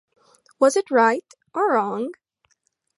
Was it right or wrong?